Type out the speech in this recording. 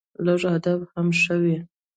لږ ادب هم ښه وي